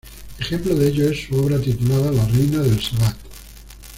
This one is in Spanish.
Ejemplo de ello es su obra titulada "La reina del Sabbath".